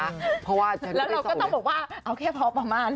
แล้วเราก็ต้องบอกว่าเอาแค่พอประมาณ